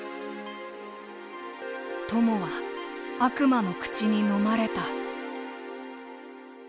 「友は、悪魔の口にのまれた」。